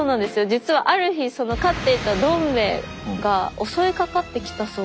実はある日飼っていたどんべえが襲いかかってきたそうで。